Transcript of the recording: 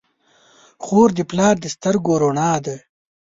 خور د پلار د سترګو رڼا ده.